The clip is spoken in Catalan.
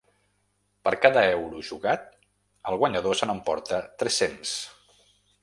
Per cada euro jugat, el guanyador se n’emporta tres-cents.